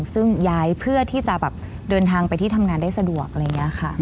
ซึ่งย้ายเพื่อที่จะเดินทางไปที่ทำงานได้สะดวก